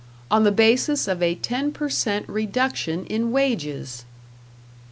On the basis of a ten per cent reduction in wages!